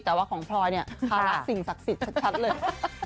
แต่ว่าของพลอยเนี่ยภาระสิ่งศักดิ์สิทธิ์ชัดเลย